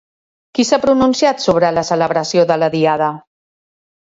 Qui s'ha pronunciat sobre la celebració de la Diada?